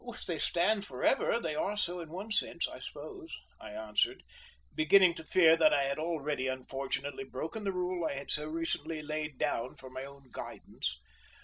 "If they stand forever they are so in one sense, I suppose," I answered, beginning to fear that I had already unfortunately broken the rule I had so recently laid down for my own guidance.